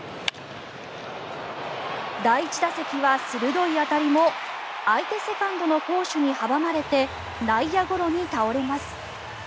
第１打席は、鋭い当たりも相手セカンドの好守に阻まれて内野ゴロに倒れます。